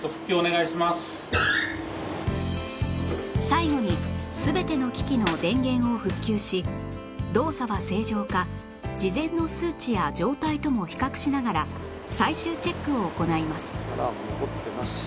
最後に全ての機器の電源を復旧し動作は正常か事前の数値や状態とも比較しながら最終チェックを行います